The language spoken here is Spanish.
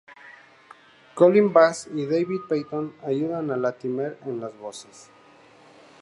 Colin Bass y David Paton ayudan a Latimer en las voces.